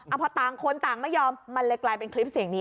พอต่างคนต่างไม่ยอมมันเลยกลายเป็นคลิปเสียงนี้